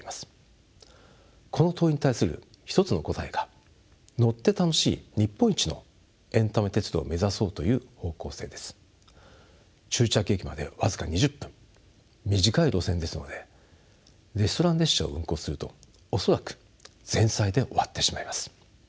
この問いに対する一つの答えが終着駅まで僅か２０分短い路線ですのでレストラン列車を運行すると恐らく前菜で終わってしまいます。